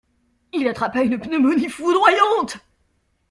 Il attrapa une pneumonie foudroyante.